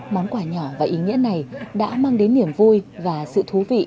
món quà nhỏ và ý nghĩa này đã mang đến niềm vui và sự thú vị